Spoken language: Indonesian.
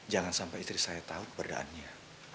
jangan sampai istri saya tahu keberadaannya